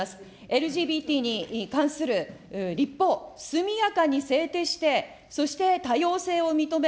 ＬＧＢＴに関する立法、速やかに制定して、そして多様性を認め。